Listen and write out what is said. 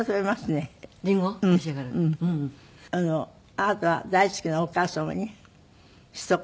あなたが大好きなお義母様にひと言。